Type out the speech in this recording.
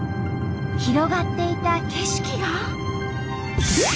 広がっていた景色が。